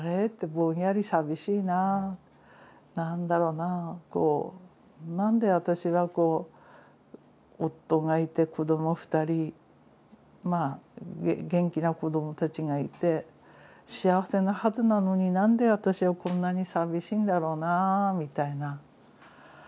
ぼんやり寂しいな何だろうなこう何で私がこう夫がいて子ども２人元気な子どもたちがいて幸せなはずなのに何で私はこんなに寂しいんだろうなみたいな。